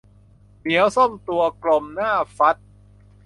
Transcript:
เหมียวส้มตัวกลมน่าฟัด